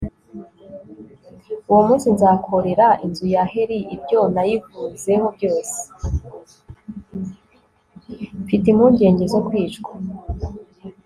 mfite impungenge zo kwicwa